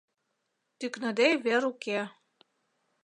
Тӱкныде вер уке.